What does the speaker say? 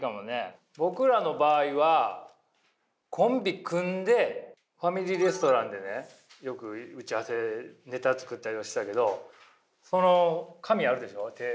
僕らの場合はコンビ組んでファミリーレストランでねよく打ち合わせネタ作ったりはしてたけど紙あるでしょ？